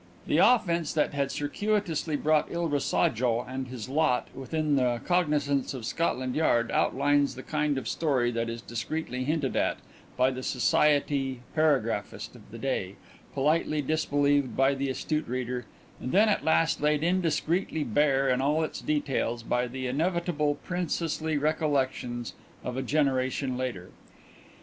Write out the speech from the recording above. The offence that had circuitously brought "il Rasojo" and his "lot" within the cognizance of Scotland Yard outlines the kind of story that is discreetly hinted at by the society paragraphist of the day, politely disbelieved by the astute reader, and then at last laid indiscreetly bare in all its details by the inevitable princessly "Recollections" of a generation later.